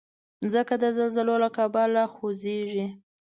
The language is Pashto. مځکه د زلزلو له کبله خوځېږي.